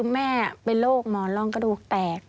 แม่เป็นโรคหมอนร่องกระดูกแตก